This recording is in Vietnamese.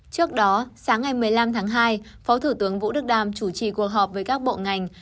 trước đó sáng ngày một mươi năm tháng hai phó thủ tướng vũ đức đam chủ trì cuộc họp với các bộ ngành